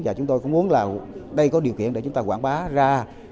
và chúng tôi cũng muốn là đây có điều kiện để chúng ta quảng bá ra